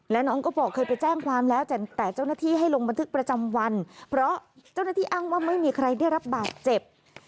แล้วน้องก็บอกเคยไปแจ้งความแล้วแต่เจ้าหน้าที่ให้ลงบันทึกประจำวันเพราะเจ้าหน้าที่อ้างว่าไม่มีใครได้รับบาดเจ็บ